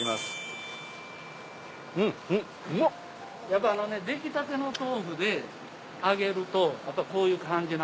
やっぱあのね出来たての豆腐で揚げるとこういう感じの揚げになる。